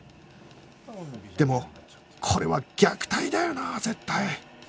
でもこれは虐待だよな絶対